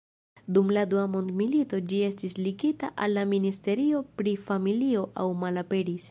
Dum la dua mondmilito, ĝi estis ligita al la ministerio pri familio aŭ malaperis.